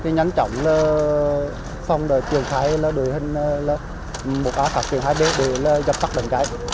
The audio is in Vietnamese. nhắn chóng phòng trường khái đổi hình một a ba trường khái đối với dập tắt đám cháy